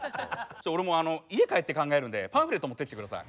俺もう家帰って考えるんでパンフレット持ってきて下さい。